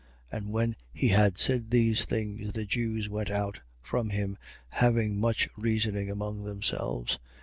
28:29. And when he had said these things, the Jews went out from him, having much reasoning among themselves.